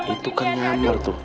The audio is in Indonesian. itu kan nyamar tuh